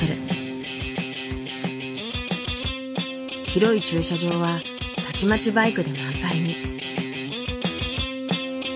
広い駐車場はたちまちバイクで満杯に。